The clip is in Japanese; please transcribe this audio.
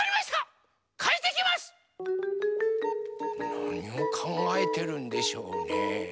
なにをかんがえてるんでしょうね？